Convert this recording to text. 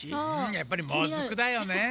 やっぱりもずくだよね。